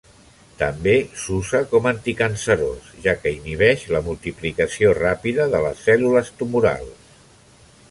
També s'usa com anticancerós, ja que inhibeix la multiplicació ràpida de les cèl·lules tumorals.